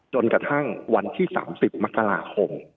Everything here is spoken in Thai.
จนกระทั่งวันที่๓๐มกราคม